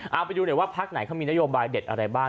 เอาไปดูหน่อยว่าพักไหนเขามีนโยบายเด็ดอะไรบ้าง